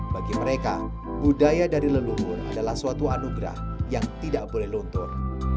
bagi mereka budaya dari leluhur adalah suatu anugerah yang tidak boleh luntur